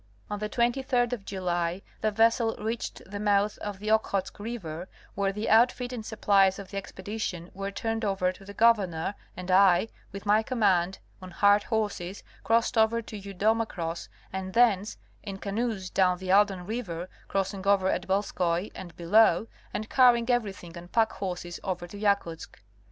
On the 23d of July the vessel reached the mouth of the Okhotsk river, where the outfit and supplies of the expedition were turned over to the governor and I, with my command, on Review of Bering's First Expedition, 1725 30. 148 hired horses, crossed over to Yudoma Cross and thence in canoes down the Aldan river, crossing over at Belskoi and below, and carrying everything on pack horses over to Yakutsk.